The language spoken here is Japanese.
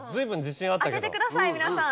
当ててください皆さん。